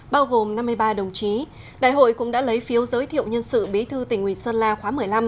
bao gồm năm mươi ba đồng chí đại hội cũng đã lấy phiếu giới thiệu nhân sự bí thư tỉnh ủy sơn la khóa một mươi năm